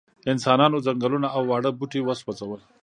انسانانو ځنګلونه او واړه بوټي وسوځول.